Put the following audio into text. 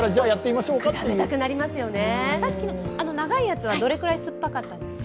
さっきの長いやつはどれくらい酸っぱかったんですか？